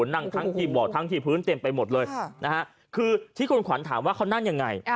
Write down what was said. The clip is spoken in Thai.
นั่งทั้งที่เบาะทั้งที่พื้นเต็มไปหมดเลยคือที่คุณขวัญถามว่าเขานั่งยังไง